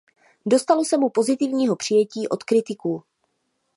Dostalo se mu pozitivního přijetí od kritiků.